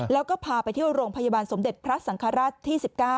แล้วก็พาไปเที่ยวโรงพยาบาลสมเด็จพระสังฆราชที่๑๙